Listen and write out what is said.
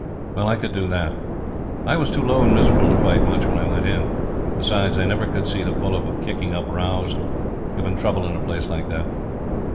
Well, I could do that. I was too low and miserable to fight much when I went in; besides, I never could see the pull of kicking up rows and giving trouble in a place like that.